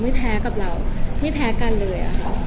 ไม่แพ้กับเราไม่แพ้กันเลยค่ะ